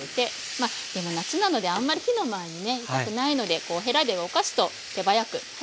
まあ夏なのであんまり火の前にねいたくないのでへらで動かすと手早く早く火が通りますね。